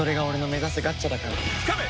つかめ！